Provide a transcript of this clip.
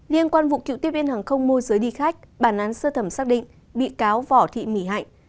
liên quan vụ cựu tiếp viên hàng không mô giới đi khách bản án sơ thẩm xác định bị cáo vỏ thị mỉ hạnh